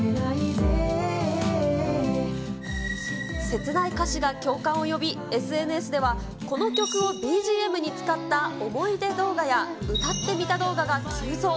切ない歌詞が共感を呼び、ＳＮＳでは、この曲をＢＧＭに使った思い出動画や、歌ってみた動画が急増。